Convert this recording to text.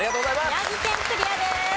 宮城県クリアです。